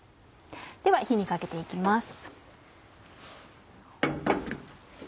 では火にかけて行きます。